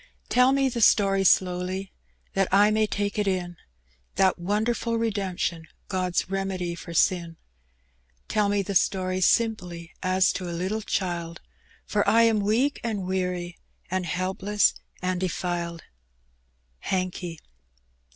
Tell me the story slowly, That I may take it in; That wonderful redemption, God's remedy for sin. Tell me the story simply, As to a little child ; For I am weak and weary, And helpless and defiled. Hankey.